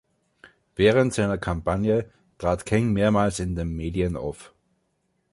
Während seiner Kampagne trat King mehrmals in den Medien auf.